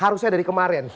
harusnya dari kemarin